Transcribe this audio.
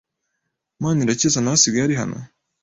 Manirakiza nawe asigaye ari hano?